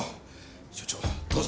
署長どうぞ。